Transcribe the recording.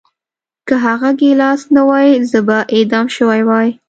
که هغه ګیلاس نه وای زه به اعدام شوی وای